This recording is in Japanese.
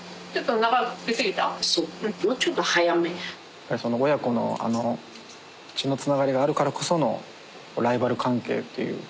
やっぱり親子の血のつながりがあるからこそのライバル関係っていう。